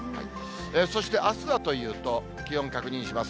そしてあすはというと、気温確認します。